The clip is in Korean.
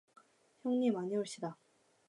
형님, 아니올시다.